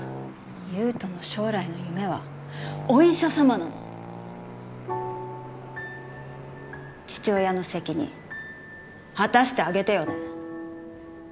優人の将来の夢はお医者さまなの父親の責任果たしてあげてよね